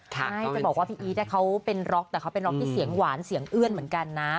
ใช่จะบอกว่าพี่อีทเขาเป็นร็อกแต่เขาเป็นร็อกที่เสียงหวานเสียงเอื้อนเหมือนกันนะ